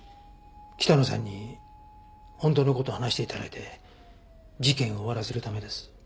北野さんに本当の事を話して頂いて事件を終わらせるためです。